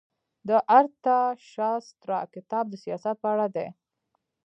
د ارتاشاسترا کتاب د سیاست په اړه دی.